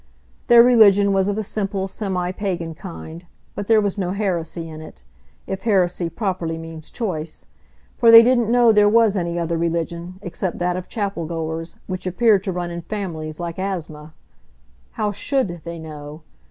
Their religion was of a simple, semi pagan kind, but there was no heresy in it,—if heresy properly means choice,—for they didn't know there was any other religion, except that of chapel goers, which appeared to run in families, like asthma. How should they know?